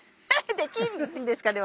できるんですかね？